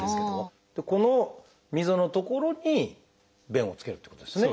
この溝の所に便を付けるってことですね。